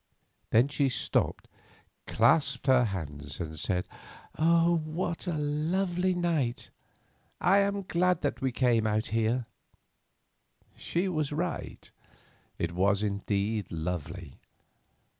Then she stopped, clasped her hands, and said, "Oh! what a lovely night. I am glad that we came out here." She was right, it was indeed lovely.